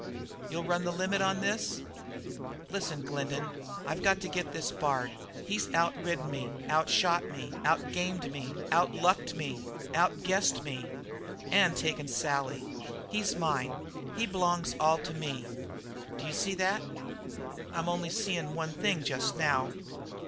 You'll run the limit on this?" "Listen, Glendin. I've got to get this Bard. He's out ridden me, out shot me, out gamed me, out lucked me, out guessed me and taken Sally. He's mine. He b'longs all to me. D'you see that?" "I'm only seein' one thing just now."